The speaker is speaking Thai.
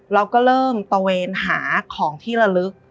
เราก็เริ่มตะเวนหาของที่ระลึก